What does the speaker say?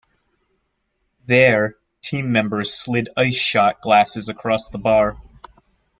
There, team members slid ice shot glasses across the bar.